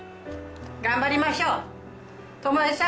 頑張りましょう友枝さん。